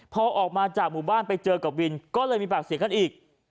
พอออกมาจากหมู่บ้านไปเจอกับวินก็เลยมีปากเสียงกันอีก